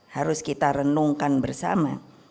harus kita renungkan bersama